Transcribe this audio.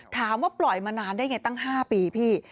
ถามว่าปล่อยมานานได้ไงตั้ง๕ปีพี่